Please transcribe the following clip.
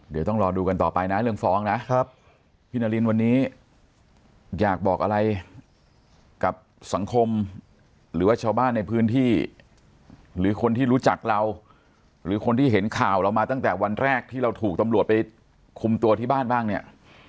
เดี๋ยวต้องรอดูกันต่อไปนะเรื่องฟ้องนะครับพี่นารินวันนี้อยากบอกอะไรกับสังคมหรือว่าชาวบ้านในพื้นที่หรือคนที่รู้จักเราหรือคนที่เห็นข่าวเรามาตั้งแต่วันแรกที่เราถูกตำรวจไปคุมตัวที่บ้านบ้างเนี่ย